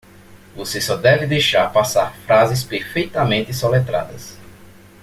Você só deve deixar passar frases perfeitamente soletradas.